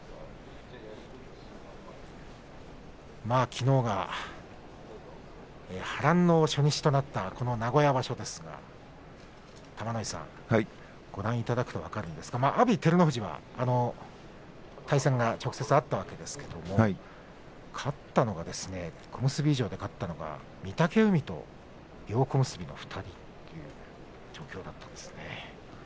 きのうが波乱の初日となった、この名古屋場所ですが玉ノ井さん、ご覧いただくと分かるんですが阿炎と照ノ富士は対戦が直接あったわけですけれども小結以上で勝ったのが御嶽海と両小結の２人という状況になっていますね。